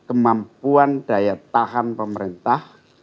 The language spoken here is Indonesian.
kemampuan daya tahan pemerintah